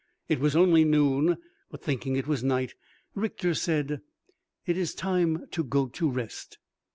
It was only noon, but thinking it was night, Richter said, "It is time to go to rest."